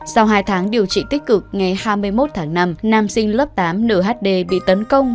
sau hai tháng điều trị tích cực ngày hai mươi một tháng năm nam sinh lớp tám nhd bị tấn công